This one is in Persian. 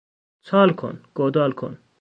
چال کن، گودال کن